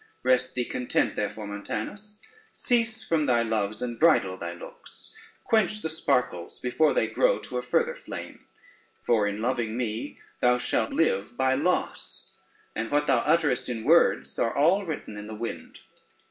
Rest thee content therefore, Montanus: cease from thy loves, and bridle thy looks, quench the sparkles before they grow to a further flame; for in loving me thou shall live by loss, and what thou utterest in words are all written in the wind.